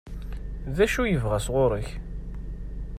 D acu i yebɣa sɣur-k?